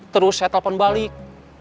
terus saya telepon balik